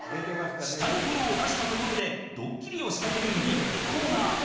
下心を出したところでドッキリを仕掛ける人気コーナー